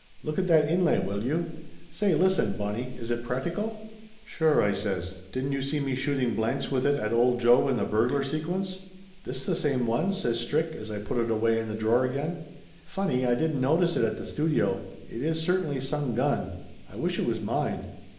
"Look at that inlay, will you! Say, listen, Bonnie, is it practical?" "Sure," I says. "Didn't you see me shooting blanks with it at old Joe in the burglar sequence?" "This the same one ?" says Strick as I put it away in the drawer again. "Funny I didn't notice it at the studio; it is certainly some gun! I wish it was mine."